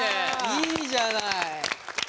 いいじゃない。